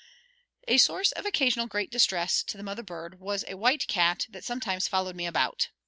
A source of occasional great distress to the mother bird was a white cat that sometimes followed me about.